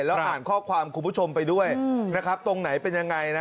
แล้วอ่านข้อความคุณผู้ชมไปด้วยตรงไหนเป็นอย่างไร